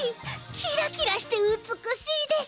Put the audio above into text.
キラキラしてうつくしいです！